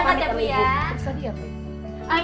tadi apa ya